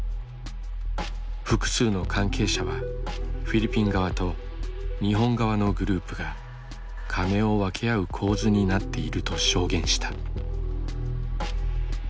複数の関係者はフィリピン側と日本側のグループがカネを分け合う構図になっていると証言した。